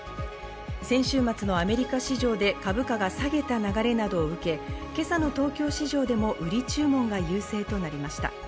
先週末のアメリカ市場で株価が下げた流れなどを受け、今朝の東京市場でも売り注文が優勢となりました。